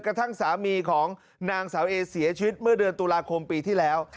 กระทั่งสามีของนางสาวเอเสียชีวิตเมื่อเดือนตุลาคมปีที่แล้ว